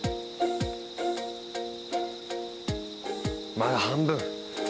まだ半分！